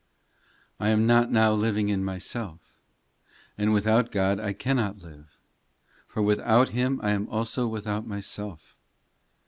POEMS I I am not now living in myself, And without God I cannot live ; For without Him, I am also without myself.